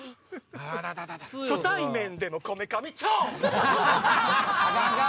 初対面でのこめかみチョップ！